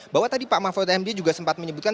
bahwa tadi pak wak wakut m d juga sempat menyebutkan